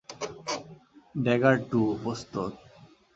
Dagger two, প্রস্তুত।